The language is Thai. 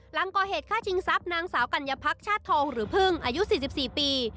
หลังก่อเหตุฆ่าชิงทรัพย์นางสาวกัญญาพักชาติทองหรือพึ่งอายุ๔๔ปี